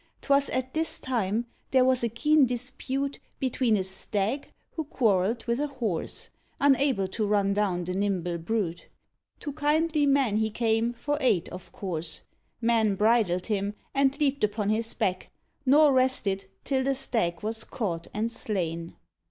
'Twas at this time there was a keen dispute Between a Stag who quarrelled with a Horse, Unable to run down the nimble brute: To kindly Man he came, for aid, of course; Man bridled him and leaped upon his back, Nor rested till the Stag was caught and slain.